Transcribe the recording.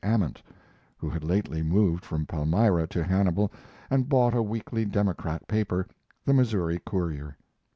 Ament, who had lately moved from Palmyra to Hannibal and bought a weekly Democrat paper, the Missouri Courier.